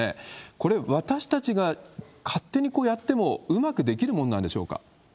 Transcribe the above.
これ、私たちが勝手にやっても、うまくできるもんなんでしょうか？